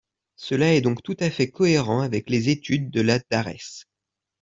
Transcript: Cela est donc tout à fait cohérent avec les études de la DARES.